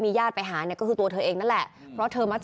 พี่อุ๋ยพ่อจะบอกว่าพ่อจะรับผิดแทนลูก